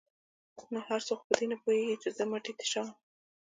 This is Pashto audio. ـ نو هر څوک خو په دې نه پوهېږي چې زه مټۍ تشوم.